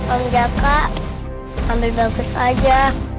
om jaka sambil bagus aja